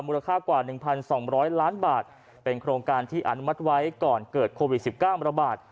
มูลค่ากว่าหนึ่งพันสองร้อยล้านบาทเป็นโครงการที่อนุมัติไว้ก่อนเกิดโควิดสิบเก้ามาตรบาท